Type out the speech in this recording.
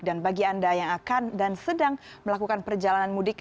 dan bagi anda yang akan dan sedang melakukan perjalanan mudik